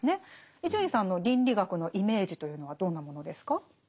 伊集院さんの倫理学のイメージというのはどんなものですか？